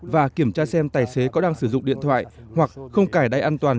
và kiểm tra xem tài xế có đang sử dụng điện thoại hoặc không cải đáy an toàn